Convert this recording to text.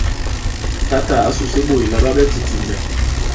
Tǎtà ǎ sùse ɓôt àla ɓa ɓɛ titimbɛ.